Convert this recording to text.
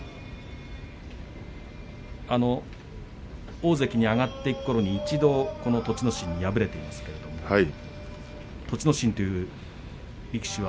大関に上がっていくころに一度この栃ノ心に敗れていますが栃ノ心という力士は。